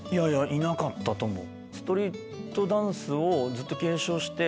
いなかったと思う。